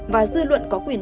và dư luận có quyền